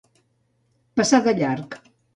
Passar de llarg.